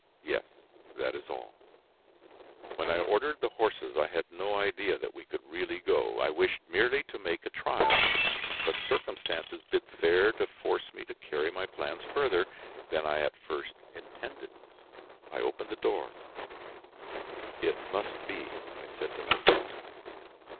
"Yes, that is all." When I ordered the horses I had no idea that we would really go, I wished merely to make a trial, but circumstances bid fair to force me to carry my plans farther than I at first intended. I opened the door. "It must be!" I said to myself.